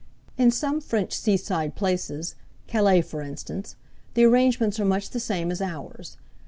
In some French seaside places Calais, for instance the arrangements are much the same as ours.